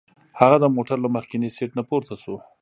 هغه د موټر له مخکیني سیټ نه پورته شو.